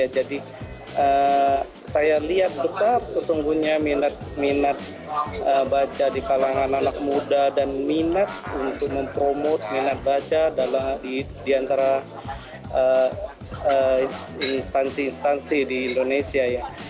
jadi saya lihat besar sesungguhnya minat minat baca di kalangan anak muda dan minat untuk mempromosikan minat baca di antara instansi instansi di indonesia